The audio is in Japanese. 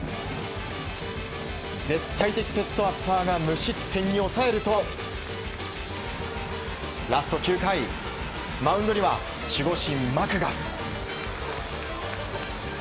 絶対的セットアッパーが無失点に抑えるとラスト９回マウンドには守護神、マクガフ。